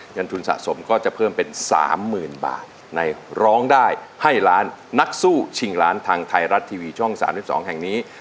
เงินทุนสะสมก็จะเพิ่มเป็น๓๐๐๐บาทในร้องได้ให้ล้านนักสู้ชิงล้านทางไทยรัฐทีวีช่อง๓๒แห่งนี้